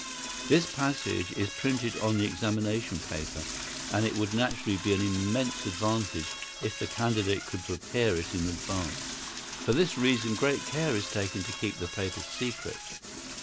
This passage is printed on the examination paper, and it would naturally be an immense advantage if the candidate could prepare it in advance. For this reason great care is taken to keep the paper secret.